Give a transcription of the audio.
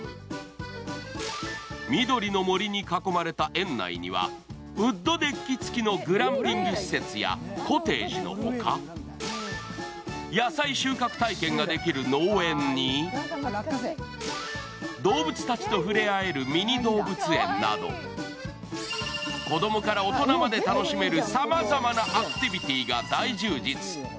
緑の森に囲まれた園内には、ウッドデッキ付きのグランピング施設やコテージのほか野菜収穫体験ができる農園に、動物たちと触れ合えるミニ動物園など子供から大人まで楽しめる様々なアクティビティーが大充実。